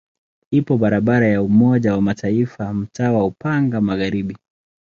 Ipo barabara ya Umoja wa Mataifa mtaa wa Upanga Magharibi.